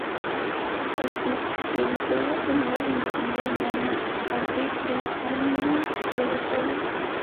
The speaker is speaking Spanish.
Steve debutó en la primera división de Alemania ante el Arminia Bielefeld.